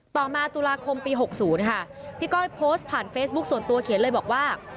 ต่อมาตุลาคมปี๖๐ค่ะพี่ก้อยโพสต์ผ่านเฟซบุ๊คส่วนตัวเขียนเลยบอกว่า